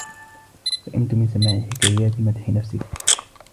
سئمت من سماع حكايات مدح نفسك.